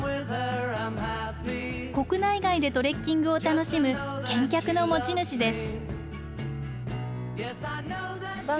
国内外でトレッキングを楽しむ健脚の持ち主です。